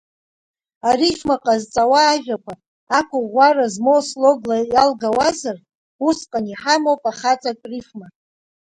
Арифма ҟазҵауа ажәақәа, ақәыӷәӷәара змоу слогла иалгауазар, усҟан иҳамоуп ахаҵатә рифма…